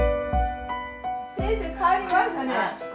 先生変わりましたね。